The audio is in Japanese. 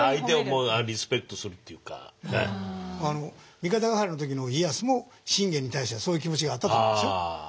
三方ヶ原の時の家康も信玄に対してはそういう気持ちがあったと思いますよ。